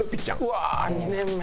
うわあ２年目。